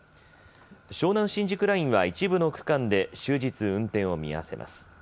湘南新宿ラインは一部の区間で終日、運転を見合わせます。